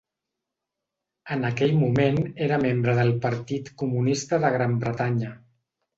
En aquell moment era membre del Partit Comunista de Gran Bretanya.